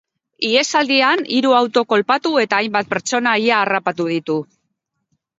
Ihesaldian hiru auto kolpatu eta hainbat pertsona ia harrapatu ditu.